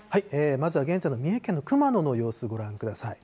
まずは現在の三重県の熊野の様子、ご覧ください。